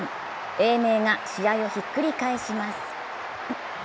英明が試合をひっくり返します。